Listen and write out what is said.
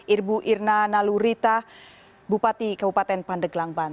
ibu irna nalurita bupati kabupaten tiongkok